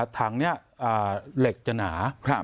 ถังนี้เหล็กจะหนา